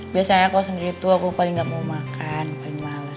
biasanya aku sendiri tuh aku paling gak mau makan paling males